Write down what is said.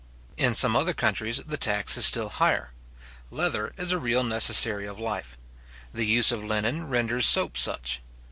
In some other countries, the tax is still higher. Leather is a real necessary of life. The use of linen renders soap such.